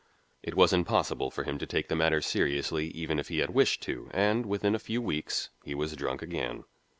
It was impossible for him to take the matter seriously even if he had wished to, and within a few weeks he was drunk again.